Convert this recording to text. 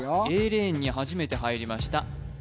Ａレーンに初めて入りました